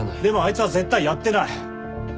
でもあいつは絶対やってない！